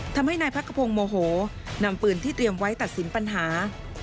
ทำให้นายพักขพงศ์โมโหนำปืนที่เตรียมไว้ตัดสินปัญหา